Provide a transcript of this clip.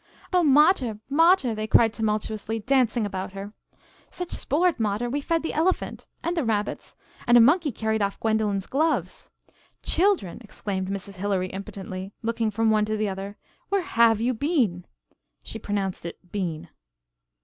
"Oh! mater, mater!" they cried tumultuously, dancing about her. "Such sport, mater. We fed the elephant." "And the rabbits " "And a monkey carried off Gwendolen's gloves " "Children," exclaimed Mrs. Hilary impotently, looking from one to the other, "where have you been?" (She pronounced it bean.)